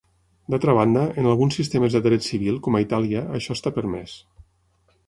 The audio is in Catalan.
D'altra banda, en alguns sistemes de dret civil, com a Itàlia, això està permès.